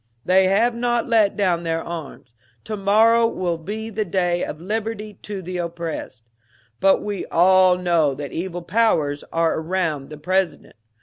They have not laid down their arms. To morrow will be the day of liberty to the oppressed. But we all know that evil powers are around the President.